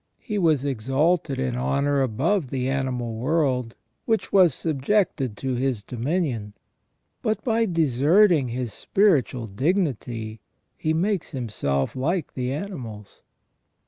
He was exalted in honour above the animal world, which was subjected to his dominion, but by deserting his spiritual dignity he makes himself like the animals.